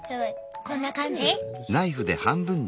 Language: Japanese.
こんな感じ？